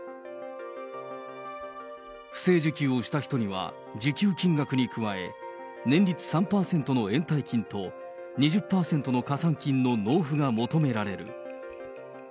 不正受給をした人には、受給金額に加え、年率３％の延滞金と、２０％の加算金の納付が求められる。